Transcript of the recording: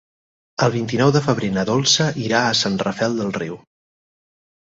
El vint-i-nou de febrer na Dolça irà a Sant Rafel del Riu.